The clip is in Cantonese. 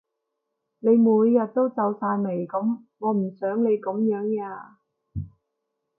你每日都皺晒眉噉，我唔想你噉樣呀